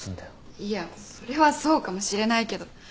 いやそれはそうかもしれないけど。